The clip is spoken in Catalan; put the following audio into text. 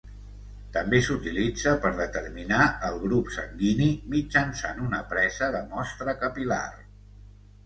També s'utilitza per determinar el grup sanguini mitjançant una presa de mostra capil·lar.